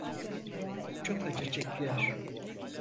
Çok acı çekiyor.